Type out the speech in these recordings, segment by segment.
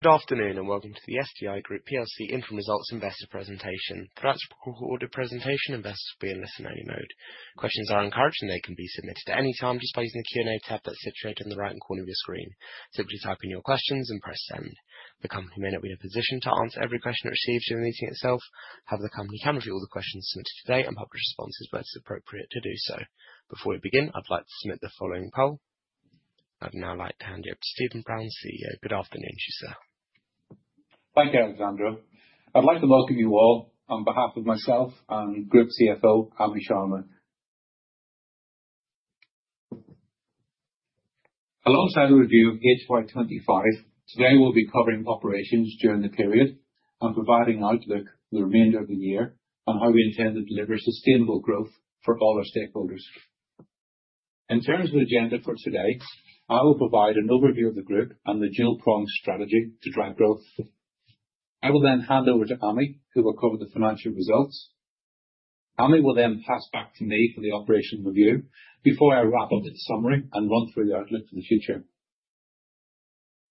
Good afternoon and welcome to the SDI Group PLC Interim Results Investor presentation. For that recorded presentation, investors will be in listen-only mode. Questions are encouraged and they can be submitted at any time just by using the Q&A tab that's situated on the right-hand corner of your screen. Simply type in your questions and press send. The company may not be in a position to answer every question it receives during the meeting itself, however the company can review all the questions submitted today and publish responses where it is appropriate to do so. Before we begin, I'd like to submit the following poll. I'd now like to hand you over to Stephen Brown, CEO. Good afternoon, everyone. Thank you, Alexandra. I'd like to welcome you all on behalf of myself and Group CFO, Amit Sharma. Alongside the review of HY25, today we'll be covering operations during the period and providing an outlook for the remainder of the year on how we intend to deliver sustainable growth for all our stakeholders. In terms of the agenda for today, I will provide an overview of the group and the dual-pronged strategy to drive growth. I will then hand over to Amit, who will cover the financial results. Amit will then pass back to me for the operational review before I wrap up with a summary and run through the outlook for the future.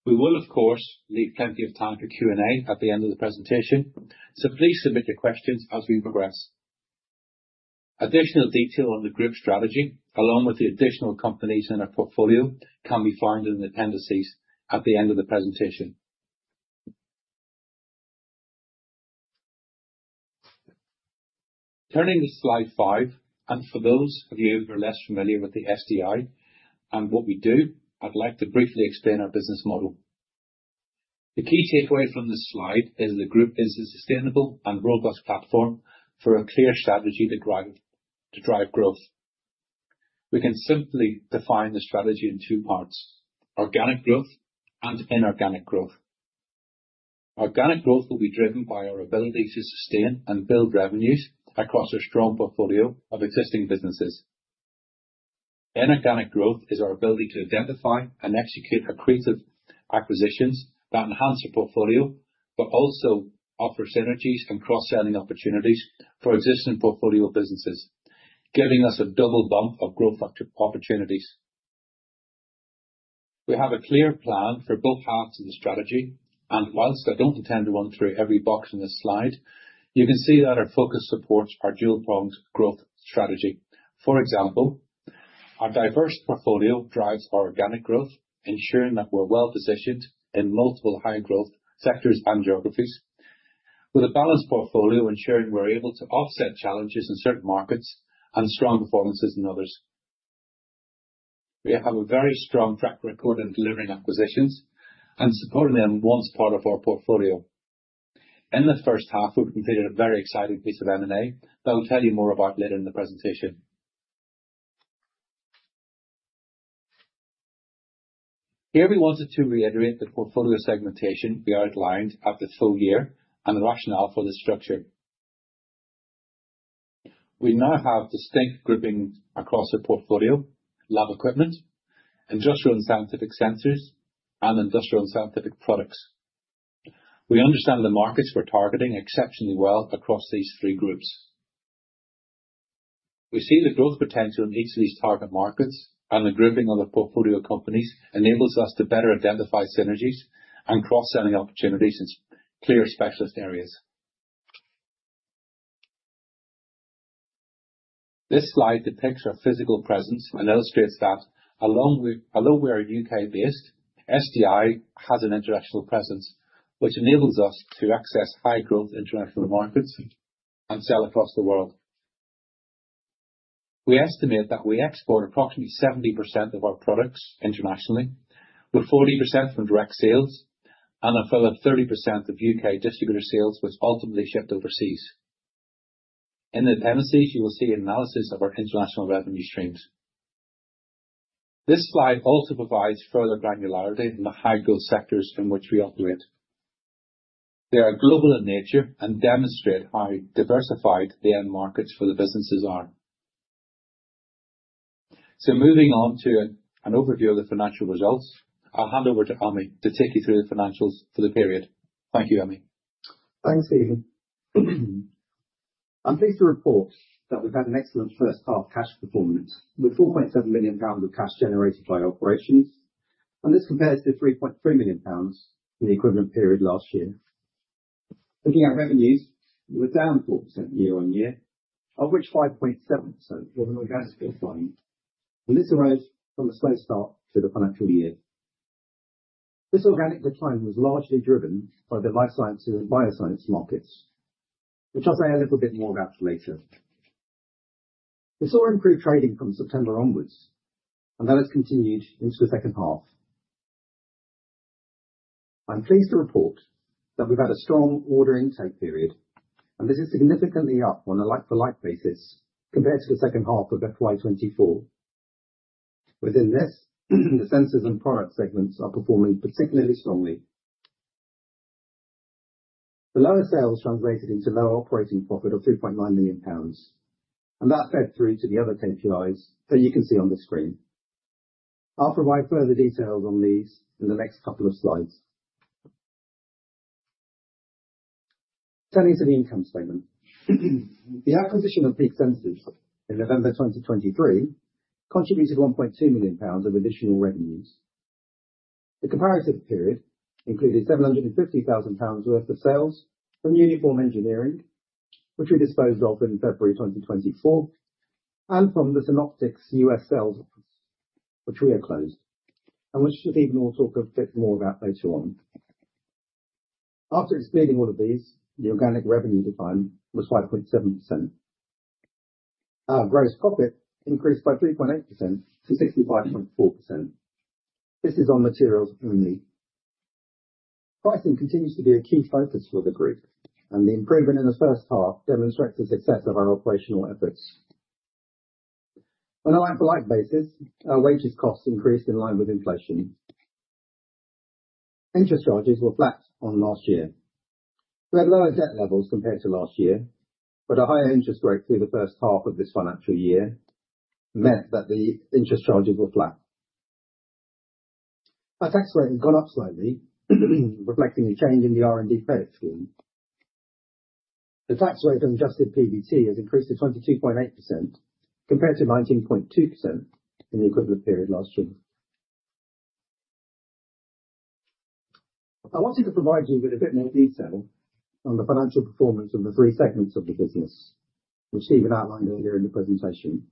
We will, of course, leave plenty of time for Q&A at the end of the presentation, so please submit your questions as we progress. Additional detail on the group strategy, along with the additional companies in our portfolio, can be found in the appendices at the end of the presentation. Turning to slide five, and for those of you who are less familiar with the SDI and what we do, I'd like to briefly explain our business model. The key takeaway from this slide is the group is a sustainable and robust platform for a clear strategy to drive growth. We can simply define the strategy in two parts: organic growth and inorganic growth. Organic growth will be driven by our ability to sustain and build revenues across a strong portfolio of existing businesses. Inorganic growth is our ability to identify and execute accretive acquisitions that enhance your portfolio, but also offer synergies and cross-selling opportunities for existing portfolio businesses, giving us a double bump of growth opportunities. We have a clear plan for both halves of the strategy, and while I don't intend to run through every box on this slide, you can see that our focus supports our dual-pronged growth strategy. For example, our diverse portfolio drives organic growth, ensuring that we're well positioned in multiple high-growth sectors and geographies, with a balanced portfolio ensuring we're able to offset challenges in certain markets and strong performances in others. We have a very strong track record in delivering acquisitions and supporting them once part of our portfolio. In the first half, we've completed a very exciting piece of M&A that I'll tell you more about later in the presentation. Here we wanted to reiterate the portfolio segmentation we outlined at the full year and the rationale for this structure. We now have distinct grouping across the portfolio: lab equipment, industrial and scientific sensors, and industrial and scientific products. We understand the markets we're targeting exceptionally well across these three groups. We see the growth potential in each of these target markets, and the grouping of the portfolio companies enables us to better identify synergies and cross-selling opportunities in clear specialist areas. This slide depicts our physical presence and illustrates that, although we are U.K.-based, SDI has an international presence, which enables us to access high-growth international markets and sell across the world. We estimate that we export approximately 70% of our products internationally, with 40% from direct sales and a further 30% of U.K. distributor sales, which ultimately shipped overseas. In the appendices, you will see an analysis of our international revenue streams. This slide also provides further granularity in the high-growth sectors in which we operate. They are global in nature and demonstrate how diversified the end markets for the businesses are. So moving on to an overview of the financial results, I'll hand over to Amit to take you through the financials for the period. Thank you, Amit. Thanks, Stephen. I'm pleased to report that we've had an excellent first half cash performance, with 4.7 million pounds of cash generated by operations, and this compares to 3.3 million pounds in the equivalent period last year. Looking at revenues, we're down 4% year-on-year, of which 5.7% was an organic decline, and this arose from a slow start to the financial year. This organic decline was largely driven by the life sciences and bioscience markets, which I'll say a little bit more about later. We saw improved trading from September onwards, and that has continued into the second half. I'm pleased to report that we've had a strong order intake period, and this is significantly up on a like-for-like basis compared to the second half of FY24. Within this, the sensors and product segments are performing particularly strongly. The lower sales translated into lower operating profit of 2.9 million pounds, and that fed through to the other KPIs that you can see on the screen. I'll provide further details on these in the next couple of slides. Turning to the income statement, the acquisition of Peak Sensors in November 2023 contributed GBP 1.2 million of additional revenues. The comparative period included GBP 750,000 worth of sales from Uniform Engineering, which we disposed of in February 2024, and from the Synoptics U.S. sales office, which we have closed, and which Stephen will talk a bit more about later on. After explaining all of these, the organic revenue decline was 5.7%. Our gross profit increased by 3.8% to 65.4%. This is on materials only. Pricing continues to be a key focus for the group, and the improvement in the first half demonstrates the success of our operational efforts. On a like-for-like basis, our wages costs increased in line with inflation. Interest charges were flat on last year. We had lower debt levels compared to last year, but a higher interest rate through the first half of this financial year meant that the interest charges were flat. Our tax rate has gone up slightly, reflecting a change in the R&D credit scheme. The tax rate and Adjusted PBT has increased to 22.8% compared to 19.2% in the equivalent period last year. I wanted to provide you with a bit more detail on the financial performance of the three segments of the business, which Stephen outlined earlier in the presentation.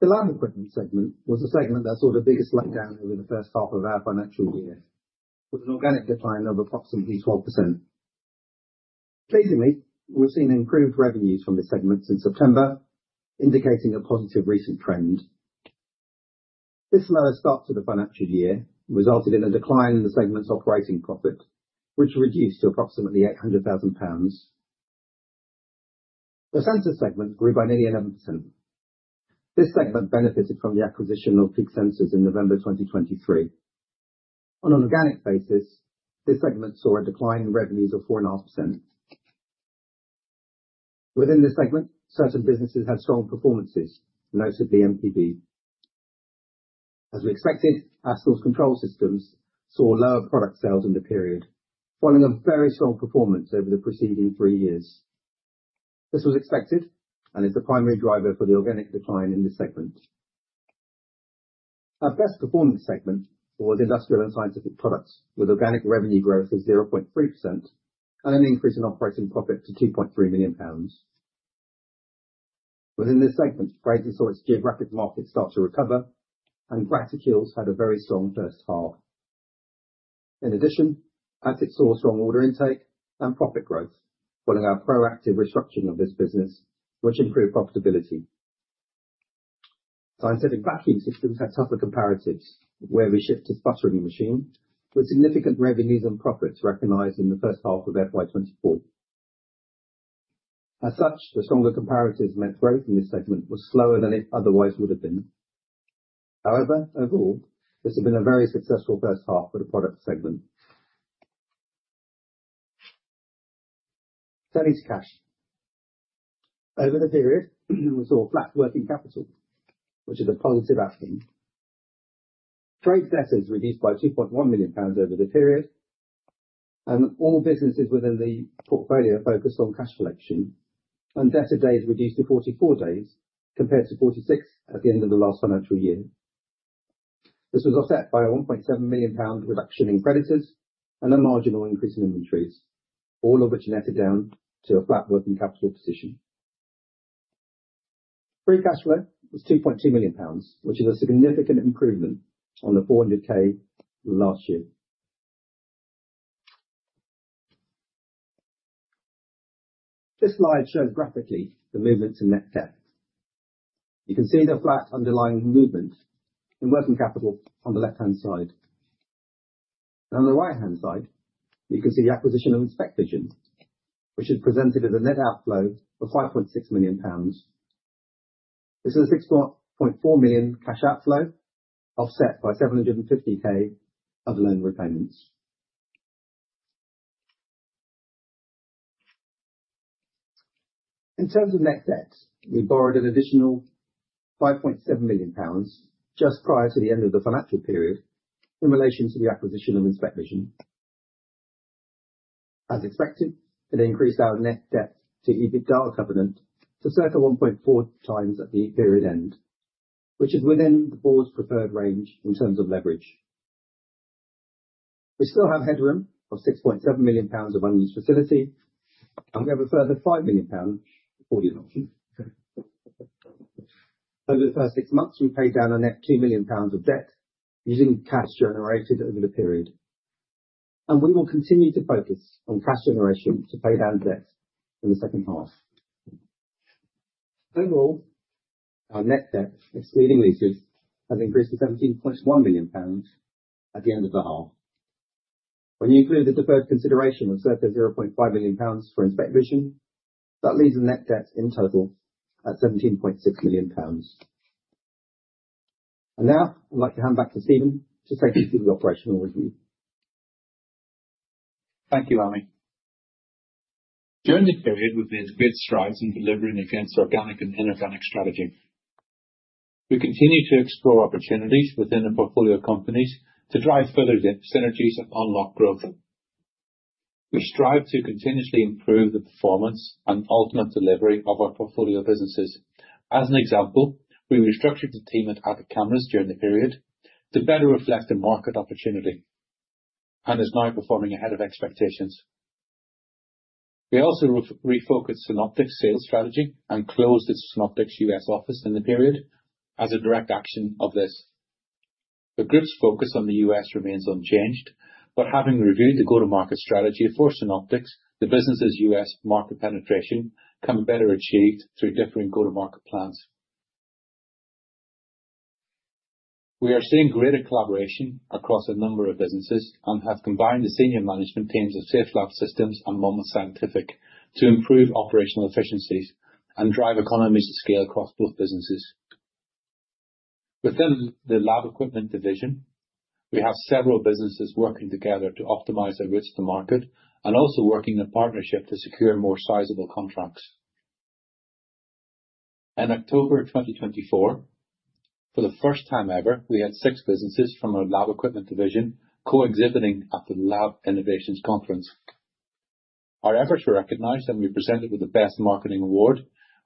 The lab equipment segment was the segment that saw the biggest slowdown over the first half of our financial year, with an organic decline of approximately 12%. Pleasingly, we've seen improved revenues from this segment since September, indicating a positive recent trend. This lower start to the financial year resulted in a decline in the segment's operating profit, which reduced to approximately 800,000 pounds. The sensor segment grew by nearly 11%. This segment benefited from the acquisition of Peak Sensors in November 2023. On an organic basis, this segment saw a decline in revenues of 4.5%. Within this segment, certain businesses had strong performances, notably MPB. As we expected, Astles Control Systems saw lower product sales in the period, following a very strong performance over the preceding three years. This was expected and is the primary driver for the organic decline in this segment. Our best-performing segment was Industrial and Scientific Products, with organic revenue growth of 0.3% and an increase in operating profit to 2.3 million pounds. Within this segment, Fraser saw its geographic market start to recover, and Graticules Optics had a very strong first half. In addition, Atik saw strong order intake and profit growth, following our proactive restructuring of this business, which improved profitability. Scientific Vacuum Systems had tougher comparatives, where we shifted to sputtering machines, with significant revenues and profits recognized in the first half of FY24. As such, the stronger comparatives meant growth in this segment was slower than it otherwise would have been. However, overall, this has been a very successful first half for the product segment. Turning to cash. Over the period, we saw flat working capital, which is a positive outcome. Trade debt has reduced by 2.1 million pounds over the period, and all businesses within the portfolio focused on cash collection, and debtor days reduced to 44 days compared to 46 at the end of the last financial year. This was offset by a 1.7 million pound reduction in creditors and a marginal increase in inventories, all of which netted down to a flat working capital position. Free cash flow was 2.2 million pounds, which is a significant improvement on the 400,000 last year. This slide shows graphically the movement to net debt. You can see the flat underlying movement in working capital on the left-hand side. On the right-hand side, you can see the acquisition of InspecVision, which has presented as a net outflow of 5.6 million pounds. This is a 6.4 million cash outflow, offset by 750,000 of loan repayments. In terms of net debt, we borrowed an additional 5.7 million pounds just prior to the end of the financial period in relation to the acquisition of InspecVision. As expected, it increased our net debt to EBITDA covenant to circa 1.4 times at the period end, which is within the board's preferred range in terms of leverage. We still have headroom of 6.7 million pounds of unused facility, and we have a further 5 million pounds of accordion option. Over the first six months, we paid down a net 2 million pounds of debt using cash generated over the period, and we will continue to focus on cash generation to pay down debt in the second half. Overall, our net debt, excluding leases, has increased to 17.1 million pounds at the end of the half. When you include the deferred consideration of circa 0.5 million pounds for InspecVision, that leaves the net debt in total at 17.6 million pounds. And now, I'd like to hand back to Stephen to take you through the operational review. Thank you, Amit. During this period, we've made good strides in delivering against the organic and inorganic strategy. We continue to explore opportunities within the portfolio companies to drive further synergies and unlock growth. We strive to continuously improve the performance and ultimate delivery of our portfolio businesses. As an example, we restructured the team at Atik Cameras during the period to better reflect the market opportunity, and it's now performing ahead of expectations. We also refocused Synoptics' sales strategy and closed the Synoptics U.S. office in the period as a direct action of this. The group's focus on the U.S. remains unchanged, but having reviewed the go-to-market strategy for Synoptics, the business's U.S. market penetration can be better achieved through differing go-to-market plans. We are seeing greater collaboration across a number of businesses and have combined the senior management teams of Safelab Systems and Monmouth Scientific to improve operational efficiencies and drive economies of scale across both businesses. Within the lab equipment division, we have several businesses working together to optimize their reach to market and also working in partnership to secure more sizable contracts. In October 2024, for the first time ever, we had six businesses from our lab equipment division co-exhibiting at the Lab Innovations Conference. Our efforts were recognized, and we presented with the Best Marketing Award,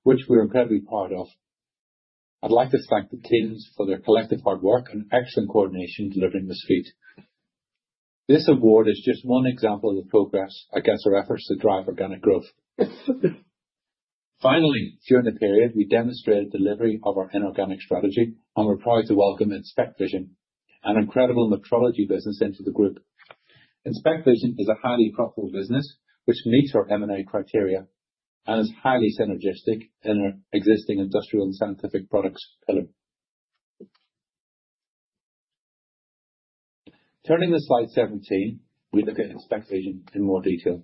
which we were incredibly proud of. I'd like to thank the teams for their collective hard work and excellent coordination delivering this feat. This award is just one example of the progress against our efforts to drive organic growth. Finally, during the period, we demonstrated delivery of our inorganic strategy, and we're proud to welcome InspecVision, an incredible metrology business, into the group. InspecVision is a highly profitable business, which meets our M&A criteria and is highly synergistic in our existing industrial and scientific products pillar. Turning to slide 17, we look at InspecVision in more detail.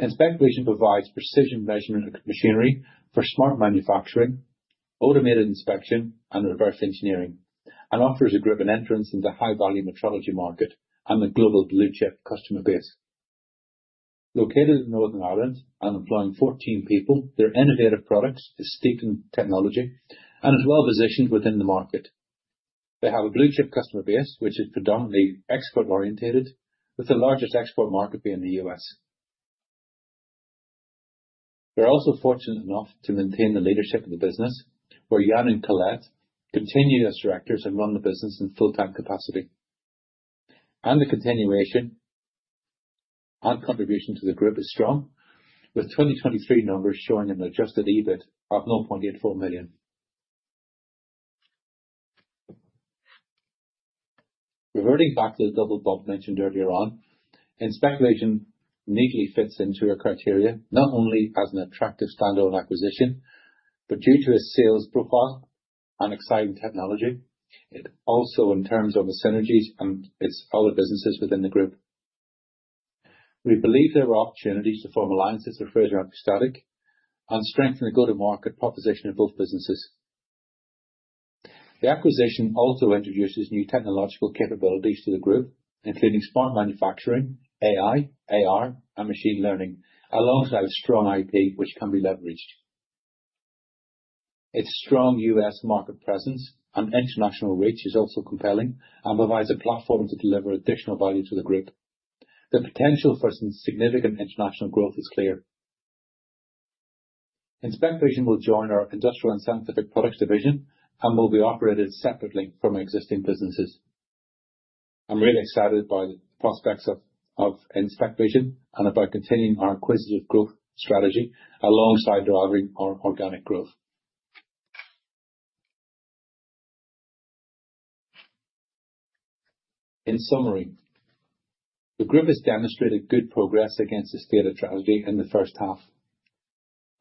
InspecVision provides precision measurement machinery for smart manufacturing, automated inspection, and reverse engineering, and offers a grip and entrance into the high-volume metrology market and the global blue-chip customer base. Located in Northern Ireland and employing 14 people, their innovative products are steeped in technology and are well-positioned within the market. They have a blue-chip customer base, which is predominantly export-oriented, with the largest export market being the U.S. We're also fortunate enough to maintain the leadership of the business, where Jan and Colette continue as directors and run the business in full-time capacity, and the continuation and contribution to the group is strong, with 2023 numbers showing an Adjusted EBIT of 0.84 million. Reverting back to the double bump mentioned earlier on, InspecVision neatly fits into our criteria, not only as an attractive standalone acquisition, but due to its sales profile and exciting technology, it also in terms of the synergies and its other businesses within the group. We believe there are opportunities to form alliances with Fraser Anti-Static Techniques and strengthen the go-to-market proposition of both businesses. The acquisition also introduces new technological capabilities to the group, including smart manufacturing, AI, AR, and machine learning, alongside strong IP, which can be leveraged. Its strong U.S. market presence and international reach is also compelling and provides a platform to deliver additional value to the group. The potential for significant international growth is clear. InspecVision will join our industrial and scientific products division and will be operated separately from existing businesses. I'm really excited by the prospects of InspecVision and about continuing our acquisitive growth strategy alongside driving our organic growth. In summary, the group has demonstrated good progress against its thematic strategy in the first half.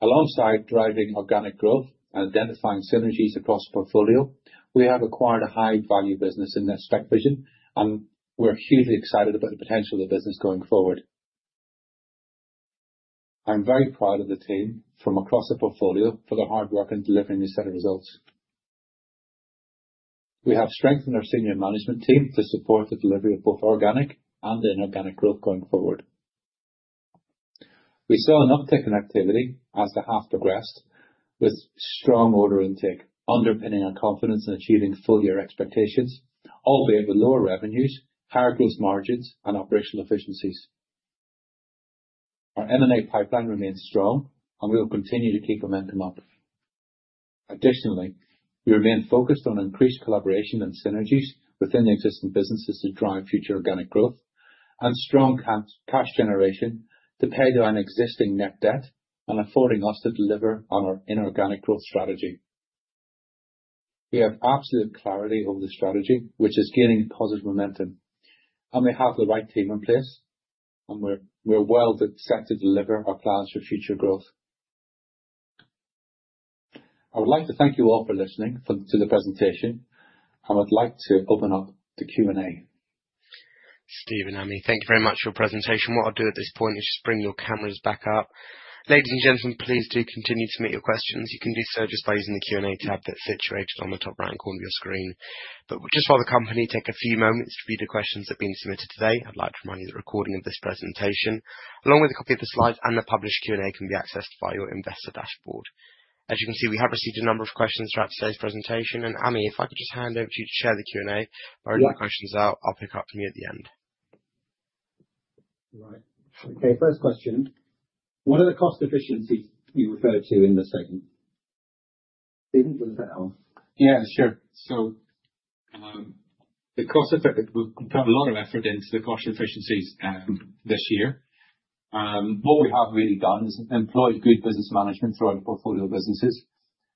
Alongside driving organic growth and identifying synergies across the portfolio, we have acquired a high-value business in InspecVision, and we're hugely excited about the potential of the business going forward. I'm very proud of the team from across the portfolio for their hard work in delivering this set of results. We have strengthened our senior management team to support the delivery of both organic and inorganic growth going forward. We saw an uptick in activity as the half progressed, with strong order intake underpinning our confidence in achieving full-year expectations, albeit with lower revenues, higher gross margins, and operational efficiencies. Our M&A pipeline remains strong, and we will continue to keep momentum up. Additionally, we remain focused on increased collaboration and synergies within the existing businesses to drive future organic growth and strong cash generation to pay down existing net debt and affording us to deliver on our inorganic growth strategy. We have absolute clarity over the strategy, which is gaining positive momentum, and we have the right team in place, and we're well set to deliver our plans for future growth. I would like to thank you all for listening to the presentation, and I'd like to open up the Q&A. Stephen, Amit, thank you very much for your presentation. What I'll do at this point is just bring your cameras back up. Ladies and gentlemen, please do continue to submit your questions. You can do so just by using the Q&A tab that's situated on the top right-hand corner of your screen. But just while the company takes a few moments to read the questions that have been submitted today, I'd like to remind you that the recording of this presentation, along with a copy of the slides and the published Q&A, can be accessed via your investor dashboard. As you can see, we have received a number of questions throughout today's presentation, and Amit, if I could just hand over to you to share the Q&A, but when your questions are out, I'll pick up from you at the end. Right. Okay, first question. What are the cost efficiencies you refer to in the segment? Stephen, will you take that one? Yeah, sure. So we've put a lot of effort into the cost efficiencies this year. What we have really done is employed good business management throughout the portfolio of businesses,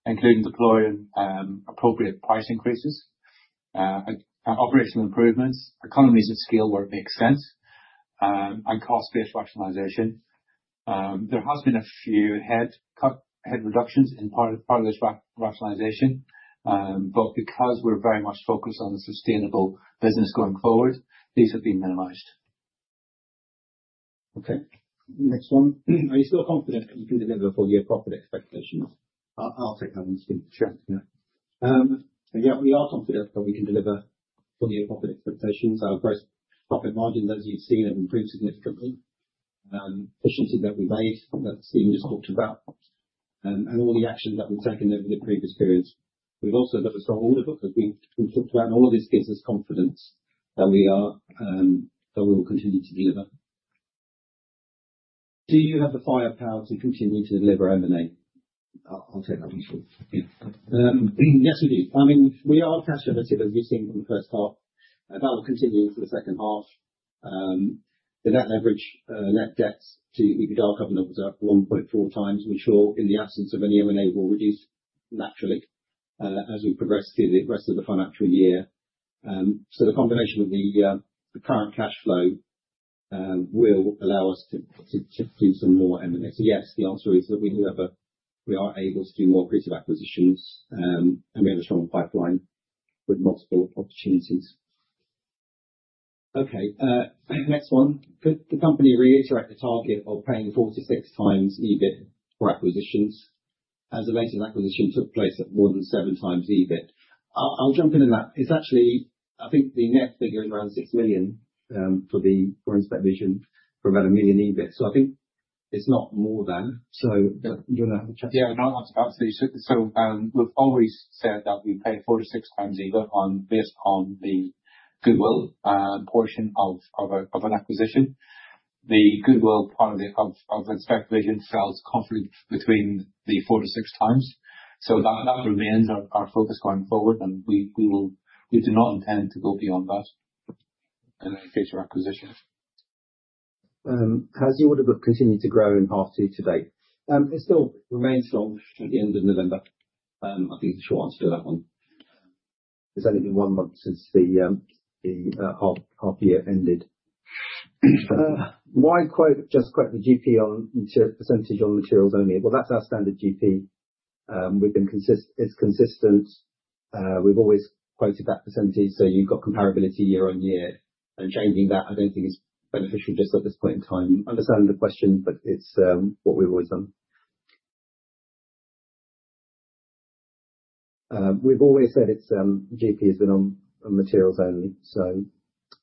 including deploying appropriate price increases, operational improvements, economies of scale where it makes sense, and cost-based rationalization. There have been a few head reductions in part of this rationalization, but because we're very much focused on a sustainable business going forward, these have been minimized. Okay. Next one. Are you still confident that you can deliver for the appropriate expectations? I'll take that one, Stephen. Sure. Yeah. We are confident that we can deliver for the appropriate expectations. Our gross profit margins, as you've seen, have improved significantly. Efficiencies that we've made, that Stephen just talked about, and all the actions that we've taken over the previous periods. We've also got a strong order book as we've talked about, and all of this gives us confidence that we will continue to deliver. Do you have the firepower to continue to deliver M&A? I'll take that one short. Yes, we do. I mean, we are cash-generative, as you've seen from the first half, but we'll continue into the second half. The net leverage, net debt to EBITDA covenant was up 1.4 times, which will, in the absence of any M&A, will reduce naturally as we progress through the rest of the financial year. So the combination of the current cash flow will allow us to do some more M&A. So yes, the answer is that we do have a—we are able to do more targeted acquisitions, and we have a strong pipeline with multiple opportunities. Okay. Next one. Could the company reiterate the target of paying 4 to 6 times EBIT for acquisitions as the latest acquisition took place at more than seven times EBIT? I'll jump in on that. It's actually, I think the net figure is around 6 million for InspecVision for about a million EBIT, so I think it's not more than. So do you want to have a chat? Yeah, no, absolutely. So we've always said that we pay 4 to 6 times EBIT based on the goodwill portion of an acquisition. The goodwill part of InspecVision fits confident between 4 to 6 times. So that remains our focus going forward, and we do not intend to go beyond that in any future acquisition. Has the order book continued to grow in H1 to date? It still remains long at the end of November. I think it's a short answer to that one. It's only been one month since the half-year ended. Why just quote the GP percentage on materials only? That's our standard GP. It's consistent. We've always quoted that percentage, so you've got comparability year-on-year, and changing that, I don't think, is beneficial just at this point in time. I understand the question, but it's what we've always done. We've always said GP has been on materials only, so.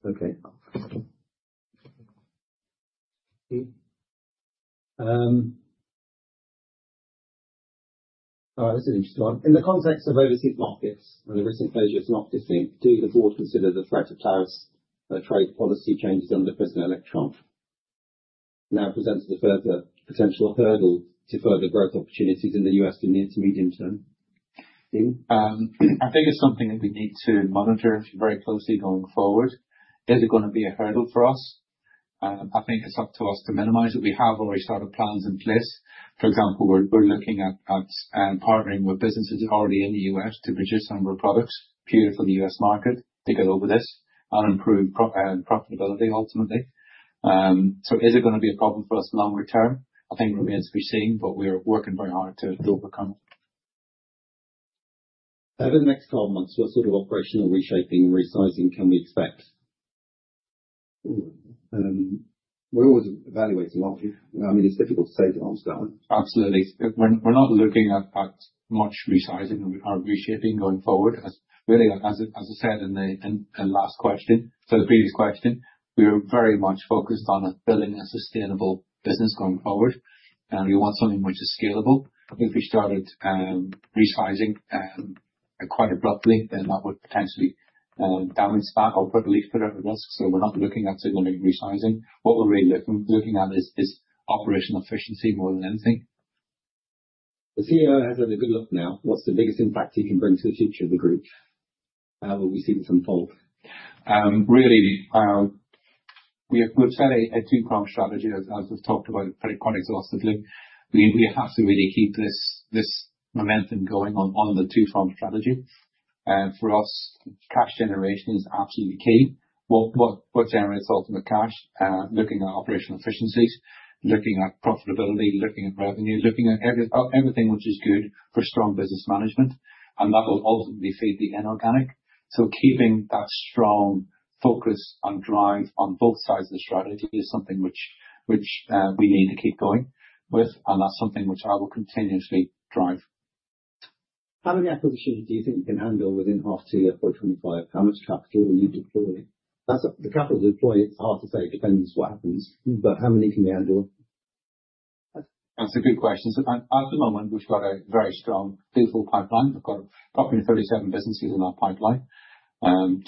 Okay. All right, this is an interesting one. In the context of overseas markets and the recent closure of Synoptics, do the board consider the threat of tariffs and trade policy changes under President-elect Trump now present a further potential hurdle to further growth opportunities in the U.S. in the intermediate term? I think it's something that we need to monitor very closely going forward. Is it going to be a hurdle for us? I think it's up to us to minimize it. We have already started plans in place. For example, we're looking at partnering with businesses already in the U.S. to produce some of our products here for the U.S. market to get over this and improve profitability, ultimately. So is it going to be a problem for us longer term? I think it remains to be seen, but we're working very hard to overcome it. Over the next 12 months, what sort of operational reshaping and resizing can we expect? We're always evaluating a lot of things. I mean, it's difficult to say the answer to that one. Absolutely. We're not looking at much resizing or reshaping going forward. Really, as I said in the last question, so the previous question, we were very much focused on building a sustainable business going forward, and we want something which is scalable. If we started resizing quite abruptly, then that would potentially damage that or put a lot at risk. So we're not looking at significant resizing. What we're really looking at is operational efficiency more than anything. The CEO has had a good look now. What's the biggest impact he can bring to the future of the group? How will we see this unfold? Really, we've set a two-pronged strategy, as we've talked about quite exhaustively. We have to really keep this momentum going on the two-pronged strategy. For us, cash generation is absolutely key. What generates ultimate cash? Looking at operational efficiencies, looking at profitability, looking at revenue, looking at everything which is good for strong business management, and that will ultimately feed the inorganic. So keeping that strong focus and drive on both sides of the strategy is something which we need to keep going with, and that's something which I will continuously drive. How many acquisitions do you think you can handle within half-year 2025? How much capital will you deploy? The capital to deploy, it's hard to say. It depends what happens, but how many can you handle? That's a good question. At the moment, we've got a very strong, beautiful pipeline. We've got roughly 37 businesses in our pipeline.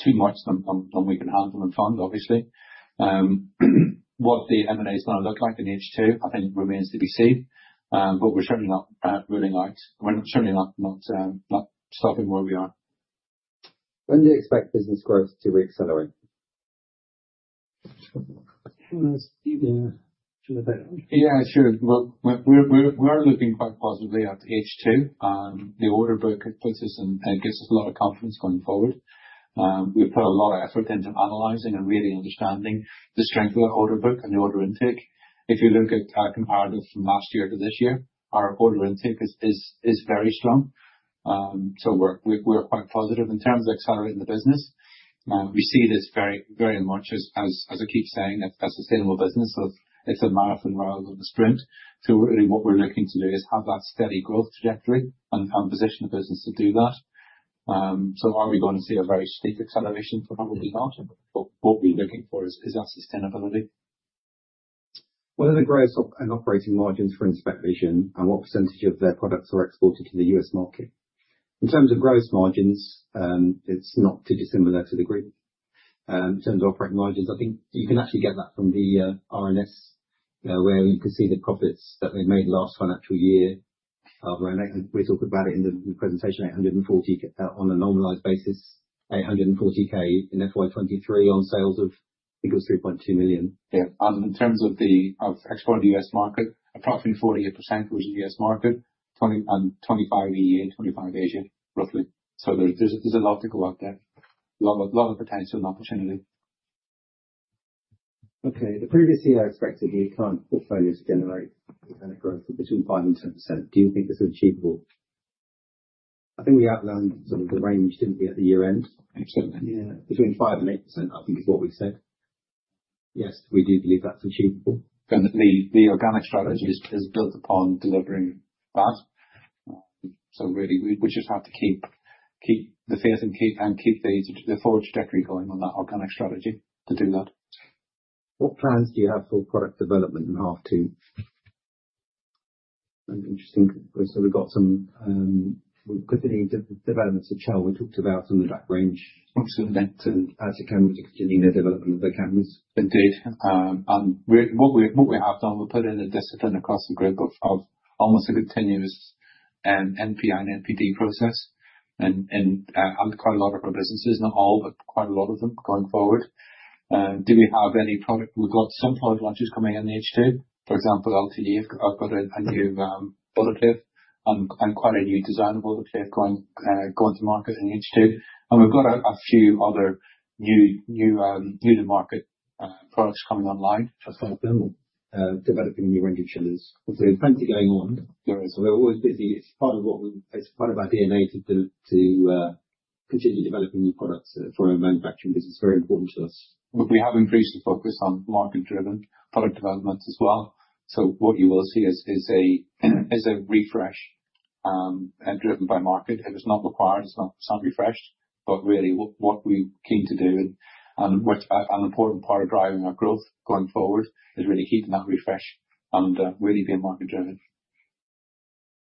Too much than we can handle and fund, obviously. What the M&A is going to look like in H2, I think, remains to be seen, but we're certainly not ruling out. We're certainly not stopping where we are. When do you expect business growth to reaccelerate? Yeah, sure. We're looking quite positively at H2. The order book puts us and gives us a lot of confidence going forward. We've put a lot of effort into analyzing and really understanding the strength of that order book and the order intake. If you look at our comparative from last year to this year, our order intake is very strong. So we're quite positive in terms of accelerating the business. We see this very much as I keep saying, a sustainable business. It's a marathon rather than a sprint. So really, what we're looking to do is have that steady growth trajectory and position the business to do that. So are we going to see a very steep acceleration? Probably not. What we're looking for is that sustainability. What are the gross and operating margins for InspecVision, and what percentage of their products are exported to the U.S. market? In terms of gross margins, it's not too dissimilar to the group. In terms of operating margins, I think you can actually get that from the RNS, where you can see the profits that they made last financial year. We talked about it in the presentation, 840 on a normalized basis, 840K in FY23 on sales of, I think it was 3.2 million. Yeah. And in terms of export to the U.S. market, approximately 48% was the U.S. market, and 25% EEA, 25% Asia, roughly. So there's a lot to go out there. A lot of potential and opportunity. Okay. The previous CEO expected the current portfolio to generate organic growth of between 5% and 10%. Do you think this is achievable? I think we outlined sort of the range, didn't we, at the year end? Absolutely. Yeah. Between 5% and 8%, I think, is what we said. Yes, we do believe that's achievable. The organic strategy is built upon delivering that. Really, we just have to keep the faith and keep the forward trajectory going on that organic strategy to do that. What plans do you have for product development in half two? That's interesting. So we've got some continued developments at Chell. We talked about some of the DAQ range. Absolutely. Atik Cameras are continuing their development of their cameras. Indeed. And what we have done, we've put in a discipline across the group of almost a continuous NPI and NPD process. And quite a lot of our businesses, not all, but quite a lot of them going forward. Do we have any product? We've got some product launches coming in H2. For example, LTE have got a new autoclave and quite a new design of autoclave going to market in H2. And we've got a few other new-to-market products coming online. Just like them, developing new recirculating chillers. There's plenty going on. There is. We're always busy. It's part of our DNA to continue developing new products for our manufacturing business. It's very important to us. We have increased the focus on market-driven product development as well. So what you will see is a refresh driven by market. It's not required. It's not refreshed. But really, what we're keen to do and an important part of driving our growth going forward is really keeping that refresh and really being market-driven.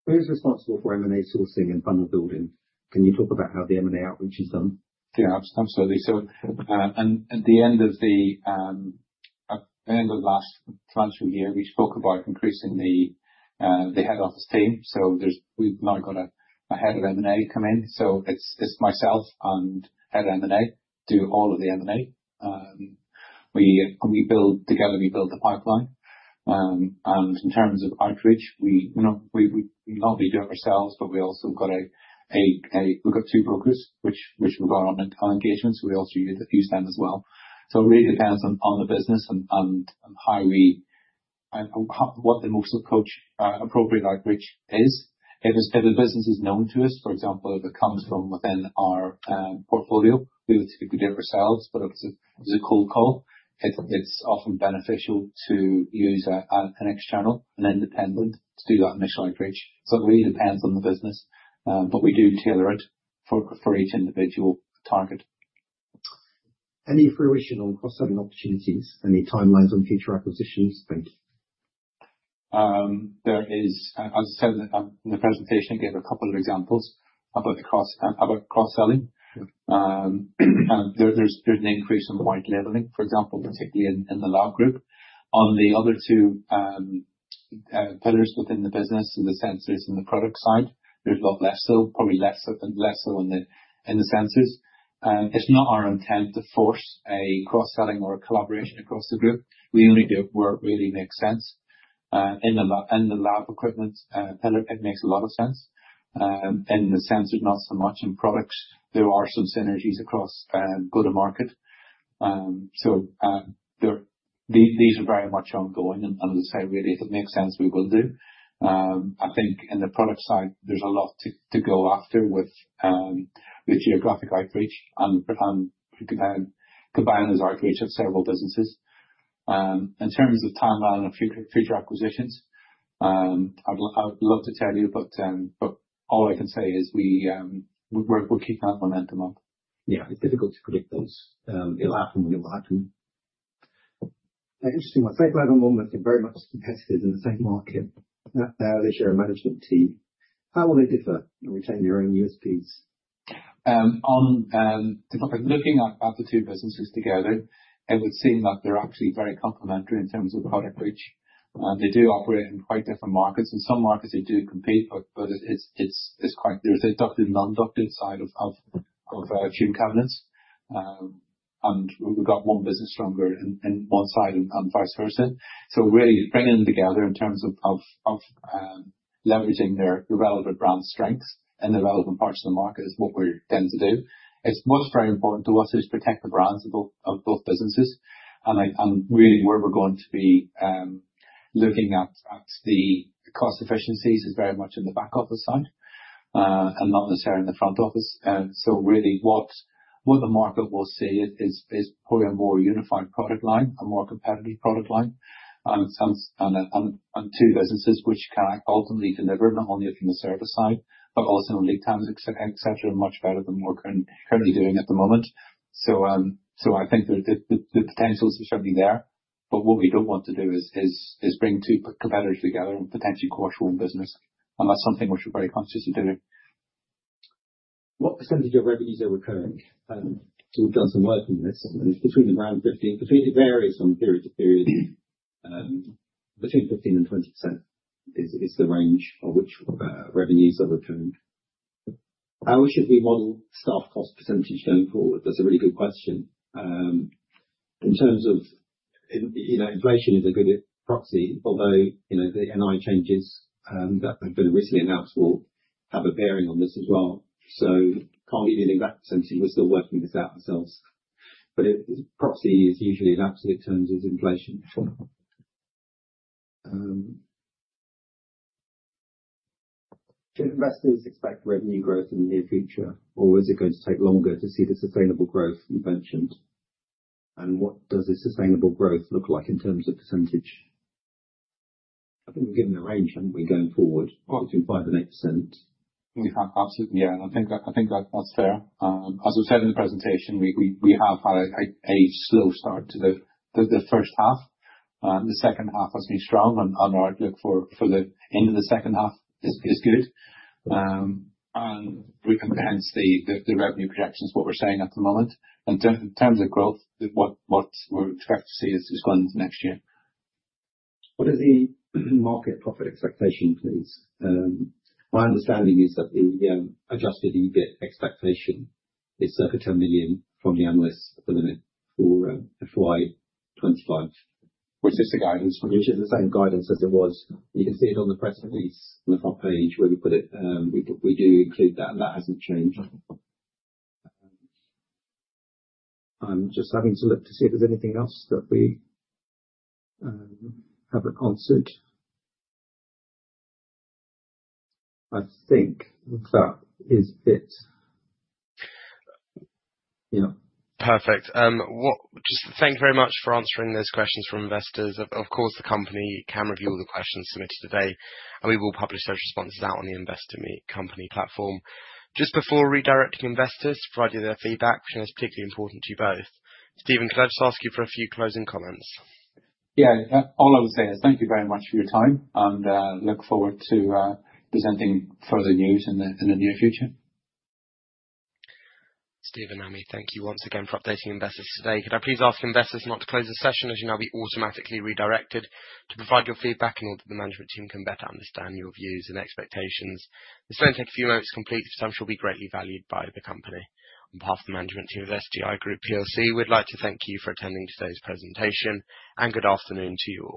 Who's responsible for M&A sourcing and funnel building? Can you talk about how the M&A outreach is done? Yeah, absolutely. So at the end of the last financial year, we spoke about increasing the head office team. So we've now got a head of M&A come in. So it's myself and head of M&A do all of the M&A. We build together. We build the pipeline. And in terms of outreach, we largely do it ourselves, but we've got two brokers which we've got on engagement, so we also use them as well. So it really depends on the business and what the most appropriate outreach is. If a business is known to us, for example, if it comes from within our portfolio, we would typically do it ourselves. But if it's a cold call, it's often beneficial to use an external, an independent, to do that initial outreach. So it really depends on the business, but we do tailor it for each individual target. Any fruition on cross-selling opportunities? Any timelines on future acquisitions? Thank you. There is, as I said in the presentation, I gave a couple of examples about cross-selling. There's an increase in white labeling, for example, particularly in the lab group. On the other two pillars within the business, in the sensors and the product side, there's a lot less so, probably less so in the sensors. It's not our intent to force a cross-selling or a collaboration across the group. We only do it where it really makes sense. In the lab equipment pillar, it makes a lot of sense. In the sensors, not so much. In products, there are some synergies across go-to-market. So these are very much ongoing, and as I say, really, if it makes sense, we will do. I think in the product side, there's a lot to go after with geographic outreach and combine those outreach with several businesses. In terms of timeline and future acquisitions, I'd love to tell you, but all I can say is we're keeping that momentum up. Yeah. It's difficult to predict those. It'll happen when it will happen. Interesting. I think we're at a moment of very much competitors in the same market. Now they share a management team. How will they differ and retain their own USPs? On looking at the two businesses together, it would seem that they're actually very complementary in terms of product reach. They do operate in quite different markets. In some markets, they do compete, but there's a ducted and unducted side of fume cabinets. And we've got one business stronger in one side and vice versa. So really, bringing them together in terms of leveraging the relevant brand strengths and the relevant parts of the market is what we're going to do. It's most very important to us is protect the brands of both businesses. And really, where we're going to be looking at the cost efficiencies is very much in the back office side and not necessarily in the front office. So really, what the market will see is probably a more unified product line and more competitive product line. Two businesses which can ultimately deliver not only from the service side, but also on lead times, etc., much better than we're currently doing at the moment. I think the potentials are certainly there. What we don't want to do is bring two competitors together and potentially quarter one business. That's something which we're very conscious of doing. What percentage of revenues are recurring? So we've done some work on this. It's between around 15, it varies from period to period. Between 15%-20% is the range of which revenues are recurring. How should we model staff cost percentage going forward? That's a really good question. In terms of inflation is a good proxy, although the NI changes that have been recently announced will have a bearing on this as well. So can't give you an exact percentage. We're still working this out ourselves. But proxy is usually an absolute terms is inflation. Should investors expect revenue growth in the near future, or is it going to take longer to see the sustainable growth you mentioned? And what does the sustainable growth look like in terms of percentage? I think we're given a range, aren't we, going forward? Between 5%-8%. Yeah, absolutely. Yeah, and I think that's fair. As we've said in the presentation, we have had a slow start to the first half. The second half has been strong, and our outlook for the end of the second half is good, and we can enhance the revenue projections, what we're saying at the moment. In terms of growth, what we're expecting to see is going into next year. What is the market profit expectation, please? My understanding is that the Adjusted EBIT expectation is circa 10 million from the analysts at the moment for FY25. Which is the same guidance as it was. You can see it on the press release on the front page where we put it. We do include that, and that hasn't changed. I'm just having to look to see if there's anything else that we haven't answered. I think that is it. Yeah. Perfect. Just thank you very much for answering those questions from investors. Of course, the company can review all the questions submitted today, and we will publish those responses out on the Investor Meet Company platform. Just before redirecting investors to provide you their feedback, which is particularly important to you both. Stephen, could I just ask you for a few closing comments? Yeah. All I would say is thank you very much for your time, and look forward to presenting further news in the near future. Stephen and Amit, thank you once again for updating investors today. Could I please ask investors not to close the session? As you know, we automatically redirected to provide your feedback in order that the management team can better understand your views and expectations. This will only take a few moments to complete, but I'm sure it will be greatly valued by the company. On behalf of the management team of SDI Group PLC, we'd like to thank you for attending today's presentation, and good afternoon to you all.